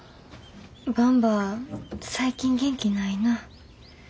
ばんば最近元気ないなぁ。